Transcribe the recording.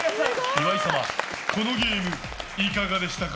岩井様、このゲームいかがでしたか？